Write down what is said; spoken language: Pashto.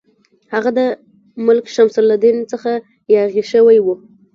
هغه د ملک شمس الدین څخه یاغي شوی وو.